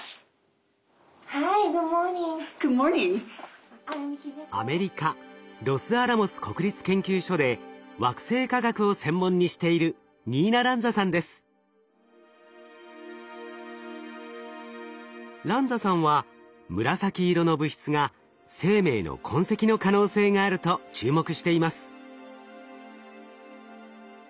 ＨｉＧｏｏｄｍｏｒｎｉｎｇ．Ｇｏｏｄｍｏｒｎｉｎｇ．アメリカロスアラモス国立研究所で惑星科学を専門にしているランザさんは紫色の物質が生命の痕跡の可能性があると注目しています。